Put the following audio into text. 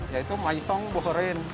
yaitu maisong bukerin